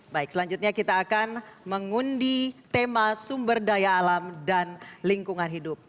baik selanjutnya kita akan mengundi tema sumber daya alam dan lingkungan hidup